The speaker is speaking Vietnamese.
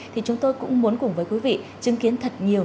thì chúng tôi cũng muốn cùng với quý vị chứng kiến thật nhiều